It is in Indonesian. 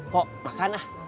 kok makan ah